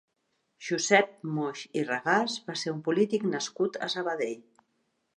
Josep Moix i Regàs va ser un polític nascut a Sabadell.